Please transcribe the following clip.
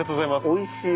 おいしい。